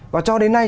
và cho đến nay